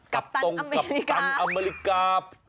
กัปตันอเมริกา